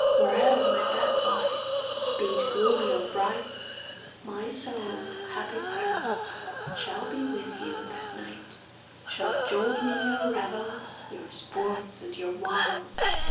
Where'er my path lies, be it gloomy or bright, My soul, happy friends, shall be with you that night ; Shall join in your revels, your sports and your wiles.